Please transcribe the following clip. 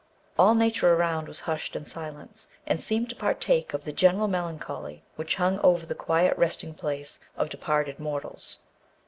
All nature around was hushed in silence, and seemed to partake of the general melancholy which hung over the quiet resting place of departed mortals.